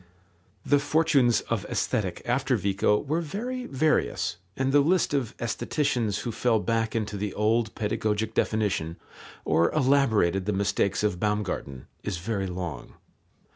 The fortunes of Aesthetic after Vico were very various, and the list of aestheticians who fell back into the old pedagogic definition, or elaborated the mistakes of Baumgarten, is very long.